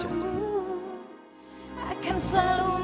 aku akan selalu menjagamu